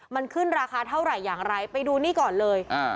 มันขึ้นราคาเท่าไหร่อย่างไรไปดูนี่ก่อนเลย